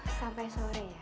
oh sampai sore ya